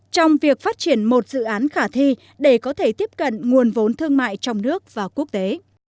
trong việc phát triển một dự án khả thi để có thể tiếp cận nguồn vốn thương mại trong nước và quốc tế